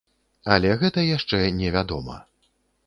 Але гэта яшчэ не вядома.